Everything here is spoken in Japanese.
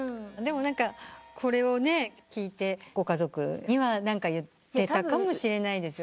でもこれを聴いてご家族には何か言ってたかもしれない。